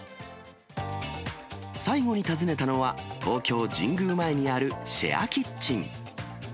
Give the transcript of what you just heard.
最後に訪ねたのは、東京・神宮前にあるシェアキッチン。